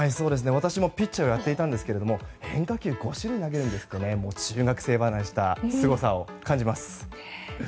私もピッチャーをやっていたんですが変化球を５種類投げるなんて中学生離れしたすごさを感じます。